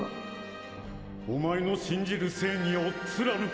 お前の信じる正義を貫け！